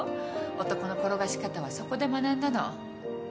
男の転がし方はそこで学んだの。